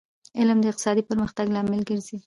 علم د اقتصادي پرمختګ لامل ګرځي